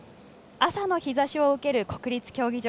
朝の日ざしを受ける国立競技場。